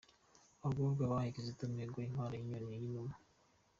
Abagororwa bahaye Kizito Mihigo impano y’Inyoni y’Inuma.